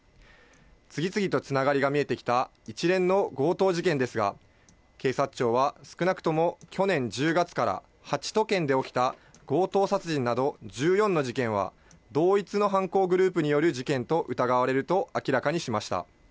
次々とつながりが見えてきた一連の強盗事件ですが、警察庁は少なくとも去年１０月から８都県で起きた強盗殺人など１４の事件は、同一の犯行グループによる事件と疑われると明らかにしました。